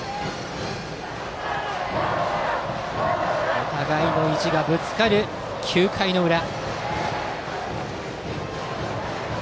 お互いの意地がぶつかる９回の裏。